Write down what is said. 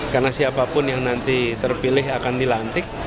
karena siapapun yang nanti terpilih akan dilantik